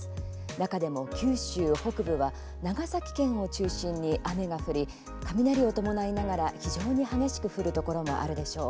中でも九州北部は長崎県を中心に雨が降り雷を伴いながら非常に激しく降るところもあるでしょう。